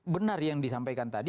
benar yang disampaikan tadi